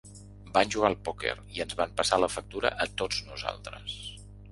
Van jugar al pòquer i ens van passar la factura a tots nosaltres.